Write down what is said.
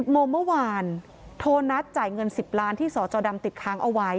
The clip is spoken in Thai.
โมงเมื่อวานโทรนัดจ่ายเงิน๑๐ล้านที่สจดำติดค้างเอาไว้